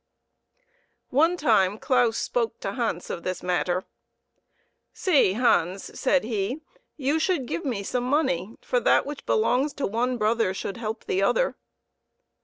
One time Claus spoke to Hans of this matter. " See, Hans," said he, " you should give me some money, for that which belongs to one brother should help the other."